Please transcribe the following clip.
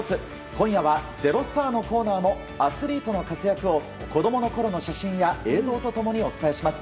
今夜は「＃ｚｅｒｏｓｔａｒ」のコーナーもアスリートの活躍を子供のころの写真や映像と共にお伝えします。